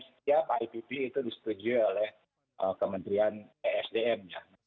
setiap ipp itu disetujui oleh kementerian esdm